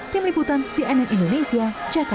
tim liputan cnn indonesia jakarta